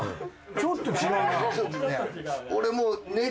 ちょっと違うな。